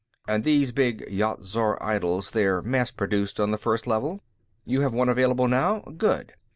"And these big Yat Zar idols: they're mass produced on the First Level? You have one available now? Good.